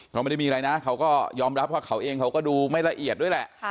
เขาไม่ได้มีอะไรนะเขาก็ยอมรับว่าเขาเองเขาก็ดูไม่ละเอียดด้วยแหละ